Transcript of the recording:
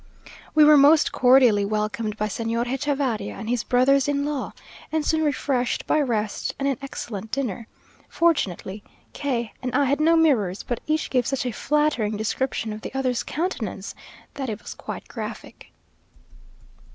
We were most cordially welcomed by Señor Hechavarria and his brothers in law, and soon refreshed by rest and an excellent dinner. Fortunately K and I had no mirrors; but each gave such a flattering description of the other's countenance, that it was quite graphic.